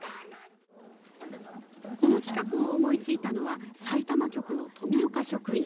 この企画を思いついたのはさいたま局の富岡職員。